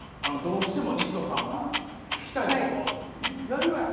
どうしても西野さんが聞きたい事があると。